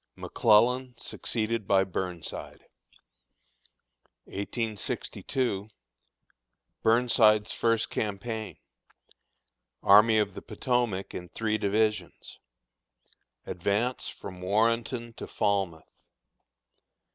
McCLELLAN SUCCEEDED BY BURNSIDE. 1862 Burnside's First Campaign. Army of the Potomac in Three Divisions. Advance from Warrenton to Falmouth.